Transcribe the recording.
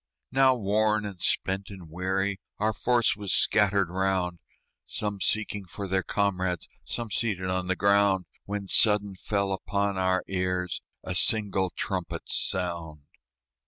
Now worn and spent and weary, Our force was scattered round, Some seeking for their comrades, Some seated on the ground, When sudden fell upon our ears A single trumpet's sound.